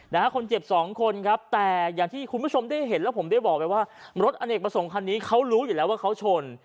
คนเจ็บสองคนครับแต่อย่างที่คุณผู้ชมได้เห็นแล้วผมได้บอกไปว่ารถอเนกประสงค์คันนี้เขารู้อยู่แล้วว่าเขาชน